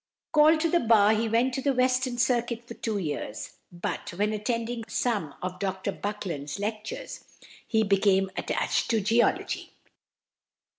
Called to the bar, he went the Western Circuit for two years, but, when attending some of Dr Buckland's lectures, he became attached to geology.